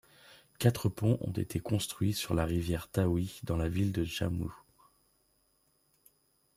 Quatre ponts ont été construits sur la rivière Tawi dans la ville de Jammu.